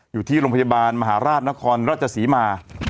อยู่ที่โรงพยาบาลมหาราชนครราชศรีมา